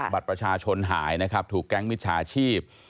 บัตรประชาชนหายนะครับถูกแก๊งมิจฉาชีพ